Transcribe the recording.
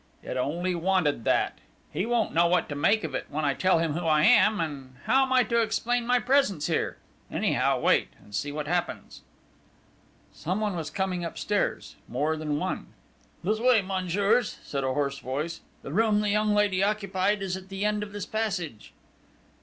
It only wanted that! He won't know what to make of it when I tell him who I am and how am I to explain my presence here? Anyhow, wait, and see what happens!" "Someone was coming upstairs more than one!" "This way, messieurs!" said a hoarse voice. "The room the young lady occupied is at the end of this passage!"